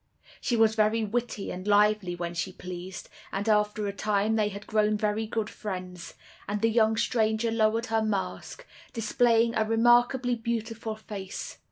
She was very witty and lively when she pleased, and after a time they had grown very good friends, and the young stranger lowered her mask, displaying a remarkably beautiful face.